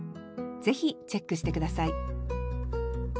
ぜひチェックして下さい